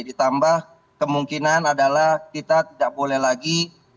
ditambah kemungkinan adalah kita tidak boleh lagi